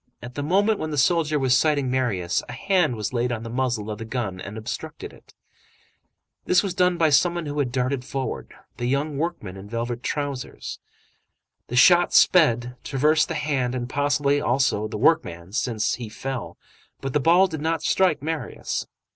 At the moment when the soldier was sighting Marius, a hand was laid on the muzzle of the gun and obstructed it. This was done by some one who had darted forward,—the young workman in velvet trousers. The shot sped, traversed the hand and possibly, also, the workman, since he fell, but the ball did not strike Marius.